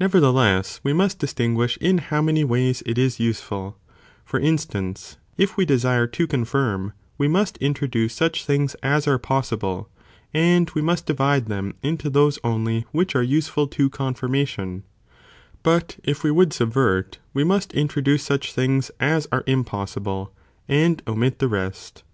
Never theless, we must distinguish in how many ways it is useful ; for instance, if we desire to confirm we must introduce such things as are possible, and we must divide them into those only which are useful to confirmation ; but if we would sub vert, (we must introduce) such things as are impossible, and omit the rest.